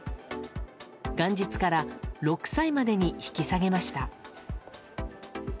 元日から６歳までに引き下げました。